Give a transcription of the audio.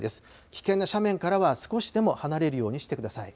危険な斜面からは少しでも離れるようにしてください。